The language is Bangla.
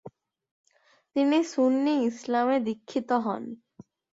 তিনি সুন্নি ইসলামে দীক্ষিত হন ।